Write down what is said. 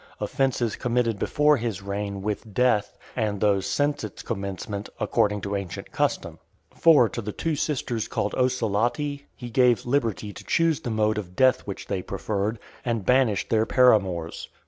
offences committed before his reign, with death, and those since its commencement, according to ancient custom. For to the two sisters called Ocellatae, he gave liberty to choose the mode of death which they preferred, and banished (486) their paramours.